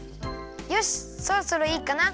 よしそろそろいいかな。